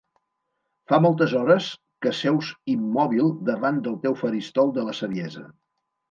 Fa moltes hores que seus immòbil davant del teu faristol de la saviesa.